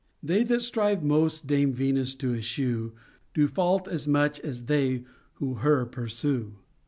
They that strive most Dame Venus to eschew Do fault as much as they who her pursue.